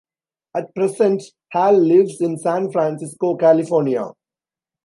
At present, Hall lives in San Francisco, California.